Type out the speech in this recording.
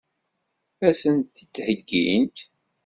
Ad sent-t-id-heggint?